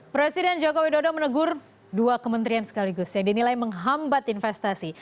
presiden jokowi dodo menegur dua kementerian sekaligus yang dinilai menghambat investasi